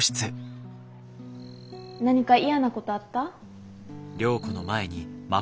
何か嫌なことあった？